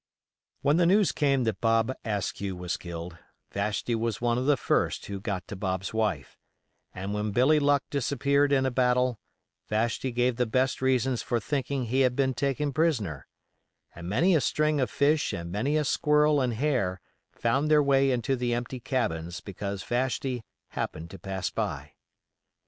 When the news came that Bob Askew was killed, Vashti was one of the first who got to Bob's wife; and when Billy Luck disappeared in a battle, Vashti gave the best reasons for thinking he had been taken prisoner; and many a string of fish and many a squirrel and hare found their way into the empty cabins because Vashti "happened to pass by."